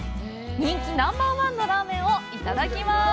人気ナンバー１のラーメンをいただきます。